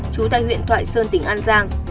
chú tại huyện thoại sơn tỉnh an giang